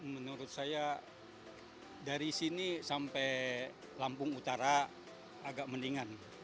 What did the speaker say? menurut saya dari sini sampai lampung utara agak mendingan